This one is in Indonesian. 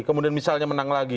kemudian misalnya menang lagi